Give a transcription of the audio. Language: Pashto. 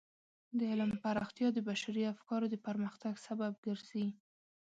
د علم پراختیا د بشري افکارو د پرمختګ سبب ګرځي.